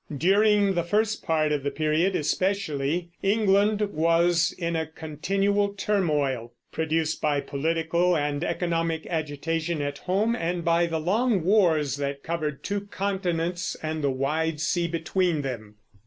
During the first part of the period especially, England was in a continual turmoil, produced by political and economic agitation at home, and by the long wars that covered two continents and the wide sea between them.